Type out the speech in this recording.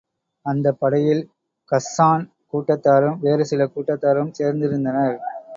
அந்தப் படையில் கஸ்ஸான் கூட்டத்தாரும், வேறு சில கூட்டத்தாரும் சேர்ந்திருந்தனர்.